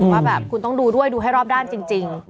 ว่าแบบคุณต้องดูด้วยดูให้รอบด้านจริง